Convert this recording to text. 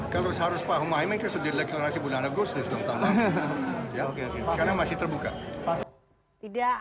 kalau harus pak mohaimin harus di deklarasi bulan agustus dong karena masih terbuka